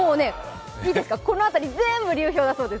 この辺り全部流氷だそうです。